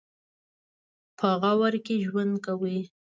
په غور کې ژوند کوي.